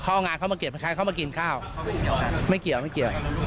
เขาเอางานเข้ามาเก็บมาใช้เขามากินข้าวไม่เกี่ยวไม่เกี่ยว